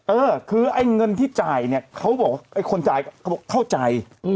เออคือไอ้เงินที่จ่ายเนี่ยเขาบอกว่าไอ้คนจ่ายเขาบอกเข้าใจ